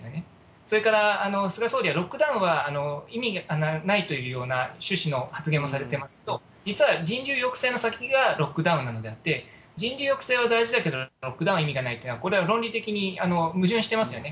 それから菅総理はロックダウンは意味がないというような趣旨の発言をされてますけど、実は人流抑制の先がロックダウンなのであって、人流抑制は大事だけど、ロックダウンは意味がないというのはこれは論理的に矛盾してますよね。